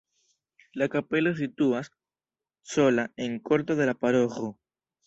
La kapelo situas sola en korto de la paroĥo.